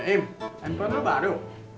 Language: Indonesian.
heim handphone lu baru